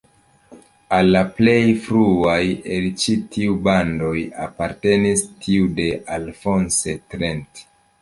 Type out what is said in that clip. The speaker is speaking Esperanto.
Al la plej fruaj el ĉi tiuj bandoj apartenis tiu de Alphonse Trent.